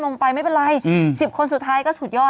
ไม่เป็นไร๑๐คนสุดท้ายก็สุดยอด